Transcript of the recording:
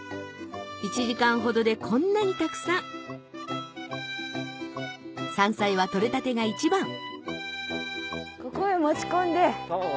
１時間ほどでこんなにたくさん山菜は採れたてが一番ここへ持ち込んで。